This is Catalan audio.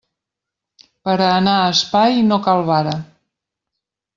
Per a anar a espai, no cal vara.